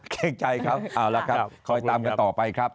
เกรงใจเขาเอาละครับคอยตามกันต่อไปครับ